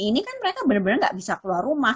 ini kan mereka benar benar nggak bisa keluar rumah